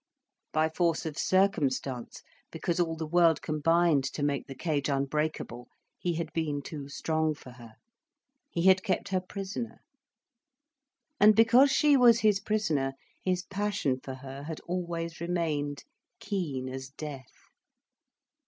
By force of circumstance, because all the world combined to make the cage unbreakable, he had been too strong for her, he had kept her prisoner. And because she was his prisoner, his passion for her had always remained keen as death.